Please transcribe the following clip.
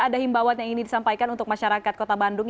ada himbawan yang ingin disampaikan untuk masyarakat kota bandung